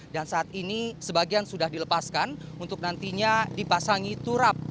dan saat ini sebagian sudah dilepaskan untuk nantinya dipasangi turap